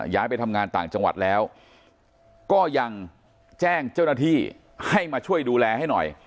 ไปทำงานต่างจังหวัดแล้วก็ยังแจ้งเจ้าหน้าที่ให้มาช่วยดูแลให้หน่อย